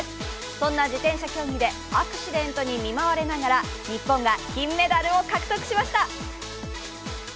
そんな自転車競技でアクシデントに見舞われながら日本が、金メダルを獲得しました。